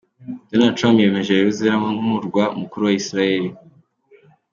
Donald Trump yemeje Yerusaremu nk'umurwa mukuru wa Isirayeri.